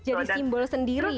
jadi simbol sendiri ya